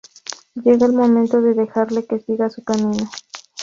Llega el momento de dejarle que siga su camino.